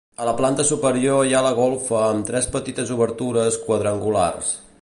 A la planta superior hi ha la golfa amb tres petites obertures quadrangulars.